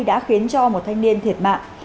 đã khiến cho một thanh niên thiệt mạng